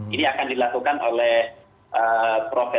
ini akan dilakukan oleh prof